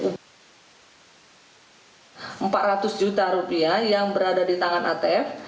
rp empat ratus juta yang berada di tangan atf